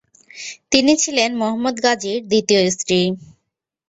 তিনি ছিলেন মোহাম্মদ গাজীর দ্বিতীয় স্ত্রী।